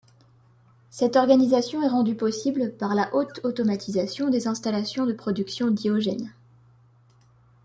Cette organisation est rendue possible par la haute automatisation des installations de production d'Iogen.